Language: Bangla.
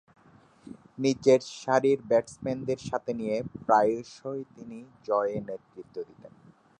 নিচেরসারির ব্যাটসম্যানদেরকে সাথে নিয়ে প্রায়শঃই তিনি জয়ে নেতৃত্ব দিতেন।